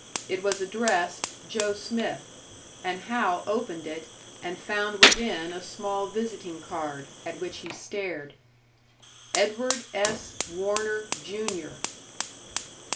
It was addressed, "Joe Smith," and Hal opened it, and found within a small visiting card, at which he stared. "Edward S. Warner, Jr."!